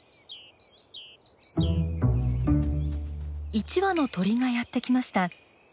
１羽の鳥がやって来ました。